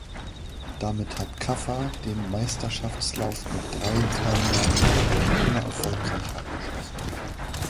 Damit hat Kaffer den Meisterschaftslauf mit drei Teilnahmen immer Erfolgreich abgeschlossen.